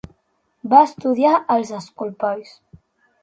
Va estudiar als escolapis.